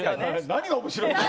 何が面白いの？